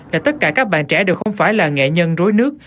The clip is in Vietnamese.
tại tất cả các bạn trẻ đều không phải là nghệ nhân rối nước